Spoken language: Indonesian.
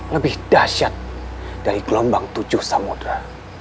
lebih dahsyat dari gelombang tujuh samudera